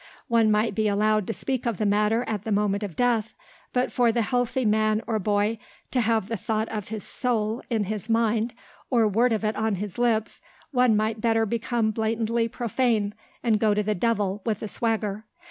One might be allowed to speak of the matter at the moment of death, but for the healthy man or boy to have the thought of his soul in his mind or word of it on his lips one might better become blatantly profane and go to the devil with a swagger.